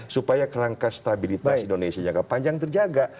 supaya kelangkah stabilitas indonesia yang jangka panjang terjaga